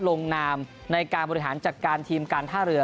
ลงนามในการบริหารจัดการทีมการท่าเรือ